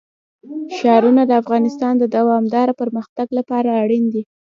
ښارونه د افغانستان د دوامداره پرمختګ لپاره اړین دي.